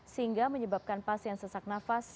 sehingga menyebabkan pasien sesak nafas